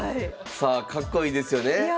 さあかっこいいですよね真部先生。